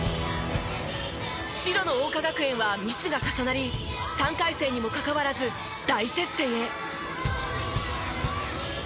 白の桜花学園はミスが重なり３回戦にもかかわらず大接戦へ。